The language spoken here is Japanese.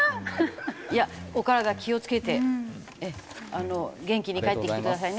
いやお体気をつけて元気に帰ってきてくださいね。